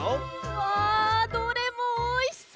わどれもおいしそう！